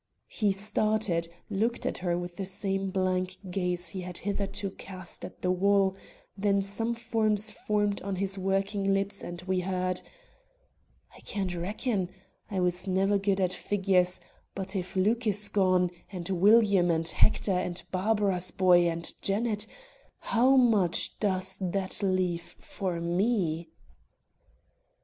He started, looked at her with the same blank gaze he had hitherto cast at the wall; then some words formed on his working lips and we heard: "I can not reckon; I was never good at figures; but if Luke is gone, and William, and Hector, and Barbara's boy, and Janet, how much does that leave for me?"